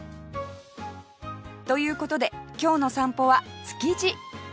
という事で今日の散歩は築地